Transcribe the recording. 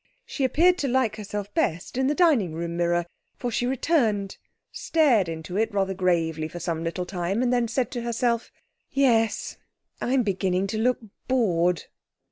She appeared to like herself best in the dining room mirror, for she returned, stared into it rather gravely for some little time, and then said to herself: 'Yes, I'm beginning to look bored.'